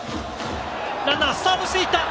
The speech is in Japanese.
ランナー、スタートしていった！